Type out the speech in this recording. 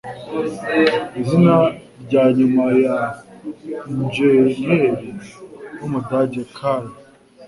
Izina ryanyuma rya injeniyeri w’umudage Karl,